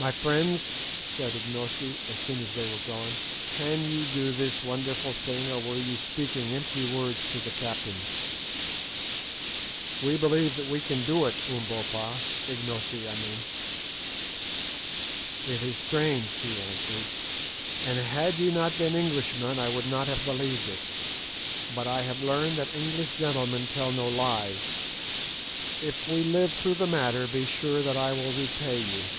"My friends," said Ignosi, so soon as they were gone, "can ye do this wonderful thing, or were ye speaking empty words to the captains?" "We believe that we can do it, Umbopa—Ignosi, I mean." "It is strange," he answered, "and had ye not been Englishmen I would not have believed it; but I have learned that English 'gentlemen' tell no lies. If we live through the matter, be sure that I will repay you."